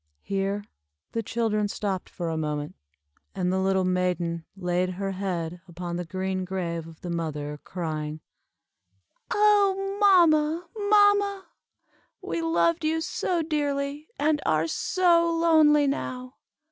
Here the children stopped for a moment, and the little maiden laid her head upon the green grave of the mother, crying "Oh, mamma, mamma! We loved you so dearly, and are so lonely now.